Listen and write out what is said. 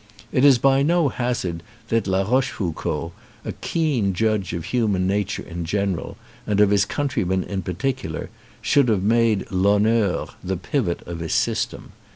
It is by no hazard that La Rochefoucauld, a keen judge of human nature in general and of his countrymen in particular, should have made Vhonneur the pivot of his system.